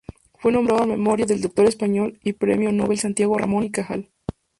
Fue nombrado en memoria del doctor español y premio nobel Santiago Ramón y Cajal.